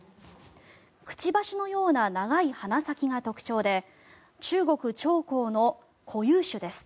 くちばしのような長い鼻先が特徴で中国・長江の固有種です。